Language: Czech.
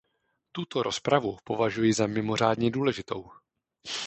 Tuto rozpravu považuji za mimořádně důležitou.